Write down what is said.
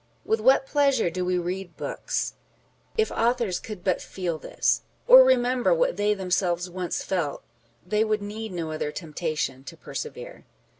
With what pleasure do we read books ! If authors could but feel this, or remember what they themselves once felt, they would need no other temptation to persevere.